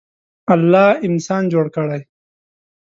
الله انسان جوړ کړی.